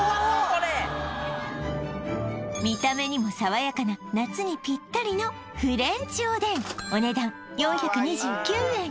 これ見た目にもさわやかな夏にぴったりのフレンチおでんお値段４２９円